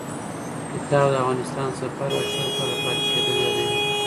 کتاب د افغانستان سفر او شل کاله پاتې کېدل یادوي.